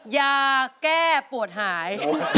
ยาแก้ปวดหาย